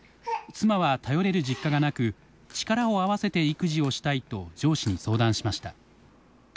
妻は頼れる実家がなく力を合わせて育児をしたいと上司に相談しました。